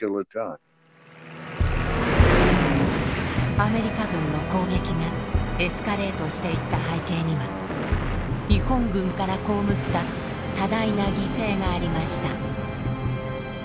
アメリカ軍の攻撃がエスカレートしていった背景には日本軍から被った多大な犠牲がありました。